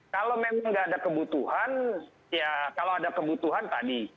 kalau tidak ada kebutuhan ya kalau ada kebutuhan tadi